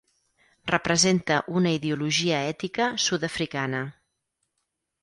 Representa una ideologia ètica sud-africana